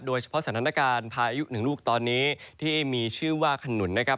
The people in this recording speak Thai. สถานการณ์พายุหนึ่งลูกตอนนี้ที่มีชื่อว่าขนุนนะครับ